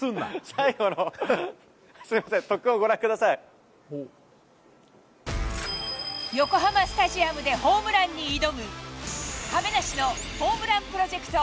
最後の、すみません、横浜スタジアムでホームランに挑む、亀梨のホームランプロジェクト。